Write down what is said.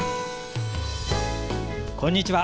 こんにちは。